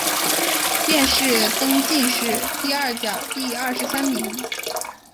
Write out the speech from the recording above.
殿试登进士第二甲第二十三名。